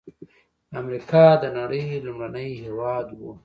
امریکا د نړۍ لومړنی هېواد و.